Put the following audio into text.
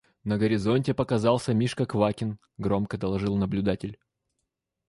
– На горизонте показался Мишка Квакин! – громко доложил наблюдатель.